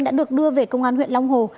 đã được đưa về công an huyện long hồ